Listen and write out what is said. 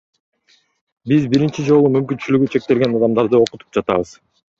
Биз биринчи жолу мүмкүнчүлүгү чектелген адамдарды окутуп жатабыз.